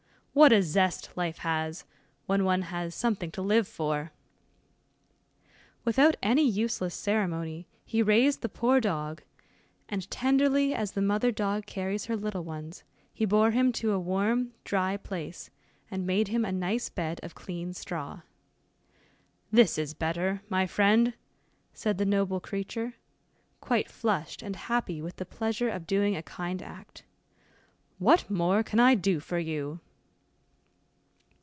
What a zest life has, when one has something to live for." Without any useless ceremony, he raised the poor dog, and tenderly as the mother dog carries her little ones, he bore him to a warm, dry place, and made him a nice bed of clean straw. "This is better, my friend," said the noble creature, quite flushed and happy with the pleasure of doing a kind act. "What more can I do for you?"